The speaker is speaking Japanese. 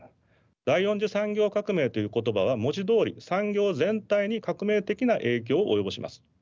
第４次産業革命という言葉は文字どおり産業全体に革命的な影響を及ぼします。